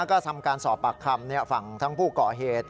ก็ทำการสอบปากคำฝั่งทั้งผู้ก่อเหตุ